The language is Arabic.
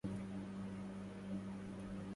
تعس الرعايا من هناء ملوك